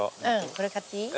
これ買っていい？